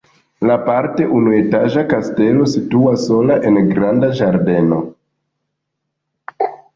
La parte unuetaĝa kastelo situas sola en granda ĝardeno.